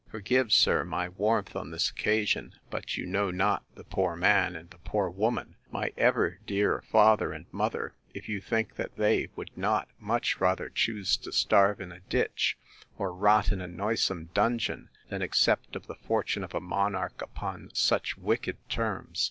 Forgive, sir, my warmth on this occasion; but you know not the poor man, and the poor woman, my ever dear father and mother, if you think, that they would not much rather choose to starve in a ditch, or rot in a noisome dungeon, than accept of the fortune of a monarch, upon such wicked terms.